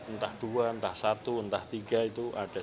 entah dua entah satu entah tiga itu ada